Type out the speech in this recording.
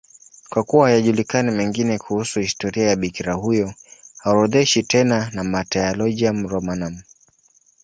Kwa kuwa hayajulikani mengine kuhusu historia ya bikira huyo, haorodheshwi tena na Martyrologium Romanum.